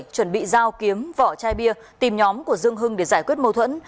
một mươi sáu một mươi bảy chuẩn bị giao kiếm vỏ chai bia tìm nhóm của dương hưng để giải quyết mâu thuẫn